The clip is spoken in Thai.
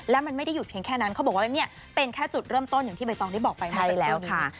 และมันไม่ได้หยุดเพียงแค่นั้นเขาบอกว่าเนี่ยเป็นแค่จุดเริ่มต้นอย่างที่ใบตองได้บอกไปมาแล้วค่ะ